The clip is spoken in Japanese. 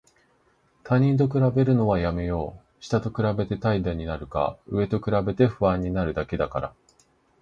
他人と比べるのはやめよう。下と比べて怠惰になるか、上と比べて不安になるだけだから。